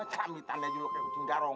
camitannya juga kayak ujung darong